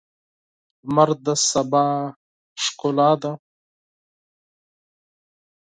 لمر د سبا ښکلا ده.